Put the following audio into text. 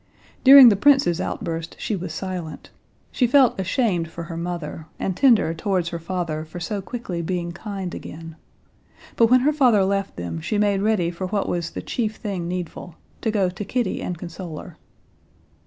During the prince's outburst she was silent; she felt ashamed for her mother, and tender towards her father for so quickly being kind again. But when her father left them she made ready for what was the chief thing needful—to go to Kitty and console her.